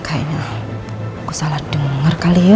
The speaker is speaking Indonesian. kayaknya aku salah denger kali yuk